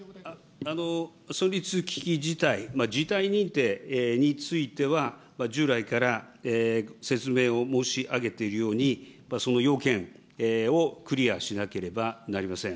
存立危機事態、事態認定については、従来から説明を申し上げているように、その要件をクリアしなければなりません。